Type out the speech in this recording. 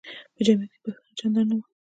په جمیعت کې پښتانه چندان نه وو.